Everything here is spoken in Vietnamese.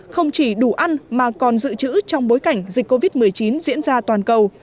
không chỉ đủ ăn mà còn dự trữ trong bối cảnh dịch covid một mươi chín diễn ra toàn cầu